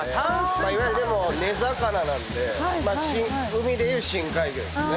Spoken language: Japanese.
いわゆるでも根魚なんで海でいう深海魚ですね。